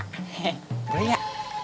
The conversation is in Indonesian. he he boleh ya